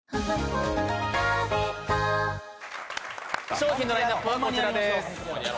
商品のラインナップはこちらです。